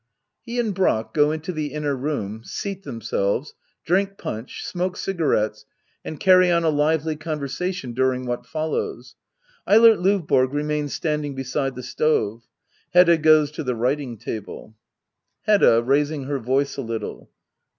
[He and Brack go into the inner room, seal themselves, drink punch, smoke cigarettes, and carry on a Uvely conversa tion during whatjvlhws, Eilert LOv BORo remains standing beside the stove. Hedda goes to the rvriting'table, Hedda. [Raising her voice a little!